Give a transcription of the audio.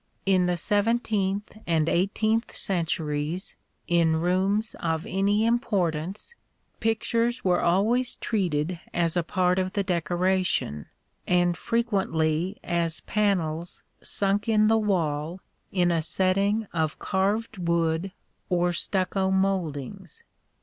In the seventeenth and eighteenth centuries, in rooms of any importance, pictures were always treated as a part of the decoration, and frequently as panels sunk in the wall in a setting of carved wood or stucco mouldings (see paintings in Plates V and XIX).